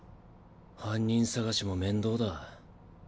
犯人探しも面倒だ。